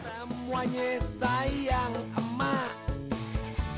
semuanya sayang emak